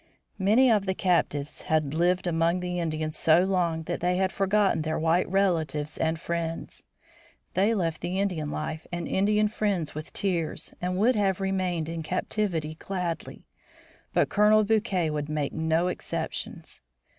Many of the captives had lived among the Indians so long that they had forgotten their white relatives and friends. They left the Indian life and Indian friends with tears, and would have remained in captivity gladly. But Colonel Bouquet would make no exceptions.